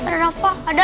ada apa adam